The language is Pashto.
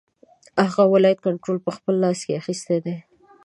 هغه ولایت کنټرول په خپل لاس کې اخیستی دی.